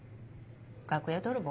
楽屋泥棒？